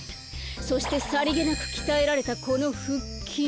そしてさりげなくきたえられたこのふっきん。